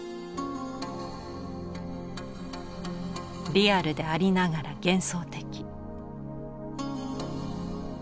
リアルでありながら幻想的。